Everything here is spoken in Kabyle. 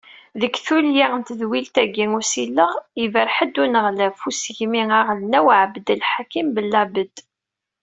Deg tulya n tedwilt-agi n usileɣ, iberreḥ-d uneɣlaf n usegmi aɣelnaw, Ɛabdelḥakim Bellabed.